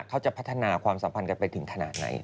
เขาจะพัฒนาความสัมพันธ์กันไปถึงขนาดไหน